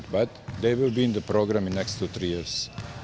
tapi mereka akan berada di program selama dua tiga tahun